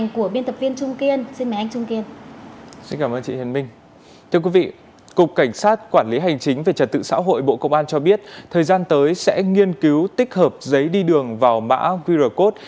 cảnh sát quản lý hành chính về trật tự xã hội bộ công an cho biết thời gian tới sẽ nghiên cứu tích hợp giấy đi đường vào mã qr code